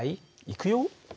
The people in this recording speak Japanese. いくよ。